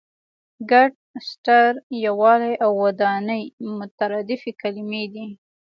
ګډ، ستر، یووالی او ودانۍ مترادفې کلمې دي.